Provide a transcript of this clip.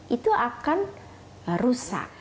itu akan rusak